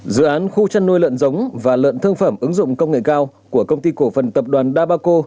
dự án khu chăn nuôi lợn giống và lợn thương phẩm ứng dụng công nghệ cao của công ty cổ phần tập đoàn dabaco